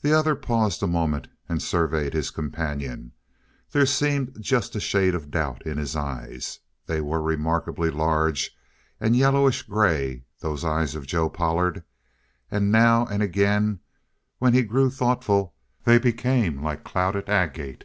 The other paused a moment and surveyed his companion. There seemed just a shade of doubt in his eyes. They were remarkably large and yellowish gray, those eyes of Joe Pollard, and now and again when he grew thoughtful they became like clouded agate.